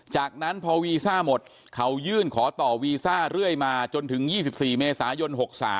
จากนั้นพอวีซ่าหมดเขายื่นขอต่อวีซ่าเรื่อยมาจนถึง๒๔เมษายน๖๓